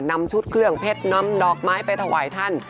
นำชุดเครื่องเพชรนำดอกไม้ไปถวายท่าน